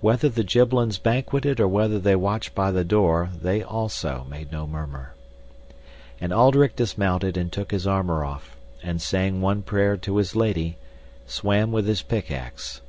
Whether the Gibbelins banqueted or whether they watched by the door, they also made no murmur. And Alderic dismounted and took his armour off, and saying one prayer to his lady, swam with his pickaxe.